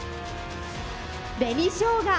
紅しょうが。